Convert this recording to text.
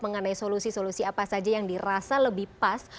mengenai solusi solusi apa saja yang dirasa lebih pas